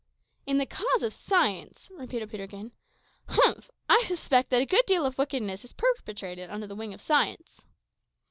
"In the cause of science!" repeated Peterkin; "humph! I suspect that a good deal of wickedness is perpetrated under the wing of science."